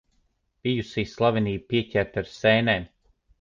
Bijusī slavenība pieķerta ar sēnēm.